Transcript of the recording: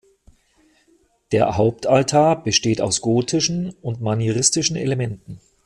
Der Hauptaltar besteht aus gotischen und manieristischen Elementen.